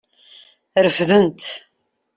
Refden-t.